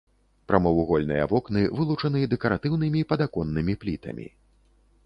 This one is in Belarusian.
Прамавугольныя вокны вылучаны дэкаратыўнымі падаконнымі плітамі.